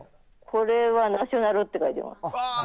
これはナショナルって書いてます。